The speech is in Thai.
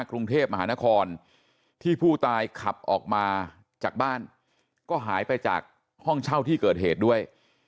กรุงเทพมหานครที่ผู้ตายขับออกมาจากบ้านก็หายไปจากห้องเช่าที่เกิดเหตุด้วย